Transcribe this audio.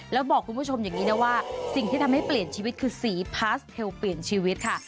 แล้วบอกคุณผู้ชมอย่างนี้นะว่าสิ่งที่ทำให้เปลี่ยนชีวิตคือสีพาสเทลเปลี่ยนชีวิตค่ะ